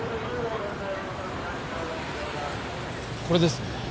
これですね。